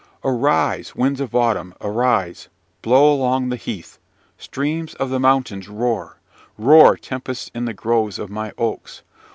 "Arise, winds of autumn, arise: blow along the heath. Streams of the mountains, roar; roar, tempests in the groves of my oaks!